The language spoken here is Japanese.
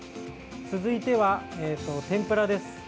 続いては天ぷらです。